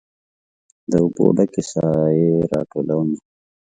د اوبو ډ کې سائې راټولومه